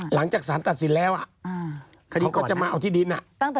หลังจากสารตัดสินแล้วคดีก็จะมาเอาที่ดิน